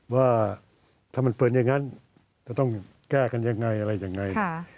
ว่าถ้ามันเป็นอย่างนั้นจะต้องแก้กันยังไงอะไรยังไง